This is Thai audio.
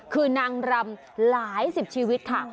คือนางรำหลายสิบชีวิตค่ะ